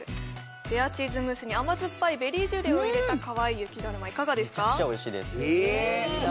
レアチーズムースに甘酸っぱいベリージュレを入れたかわいい雪だるまいかがですか？